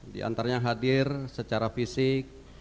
di antaranya hadir secara fisik